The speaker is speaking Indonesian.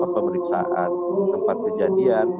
pemeriksaan tempat kejadian